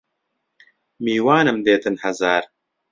میوانم دێتن هەزار